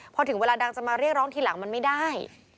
พอถึงเวลาดังจะมาเรียกร้องทีหลังมันไม่ได้